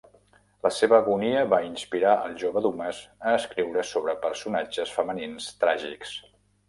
La seva agonia va inspirar el jove Dumas a escriure sobre personatges femenins tràgics.